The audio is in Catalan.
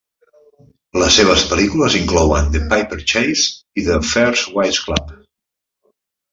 Les seves pel·lícules inclouen "The Paper Chase" i "The First Wives Club".